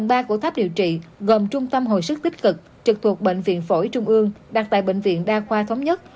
bệnh viện phổi trung ương đặt tại bệnh viện đa khoa thống nhất